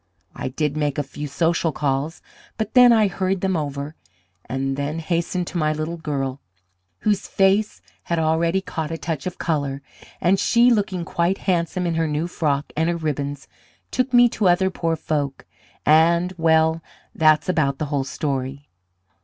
I did make a few social calls, but then I hurried them over; and then hastened to my little girl, whose face had already caught a touch of colour; and she, looking quite handsome in her new frock and her ribbons, took me to other poor folk, and, well, that's about the whole story.